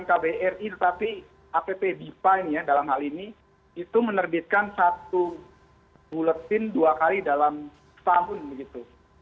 kbri tetapi app bipa ini ya dalam hal ini itu menerbitkan satu buletin dua kali dalam setahun begitu